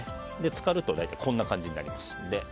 漬かるとこんな感じになりますので。